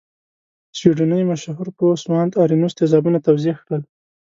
سویډنۍ مشهور پوه سوانت ارینوس تیزابونه توضیح کړل.